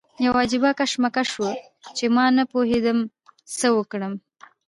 یو عجیبه کشمکش و چې ما نه پوهېدم څه وکړم.